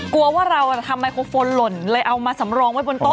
กลัวว่าเราทำไมโครโฟนหล่นเลยเอามาสำรองไว้บนโต๊